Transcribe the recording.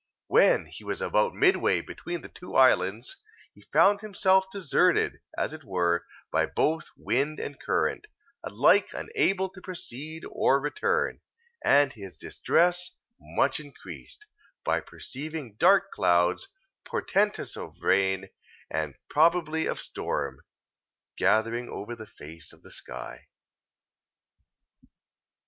When he was about midway between the two islands, he found himself deserted, as it were, both by wind and current, alike unable to proceed or return, and his distress much increased, by perceiving dark clouds, portentous of rain, and probably of storm, gathering over the face of the sky.